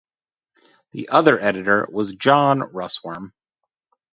The other editor was John Russwurm.